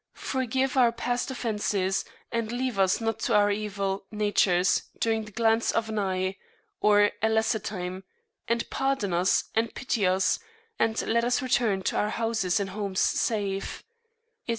forgive our past Offences, and leave us not to our (evil) Natures during the Glance of an Eye, or a lesser Time; and pardon us, and pity us, and let us return to our Houses and Homes safe, (i.e.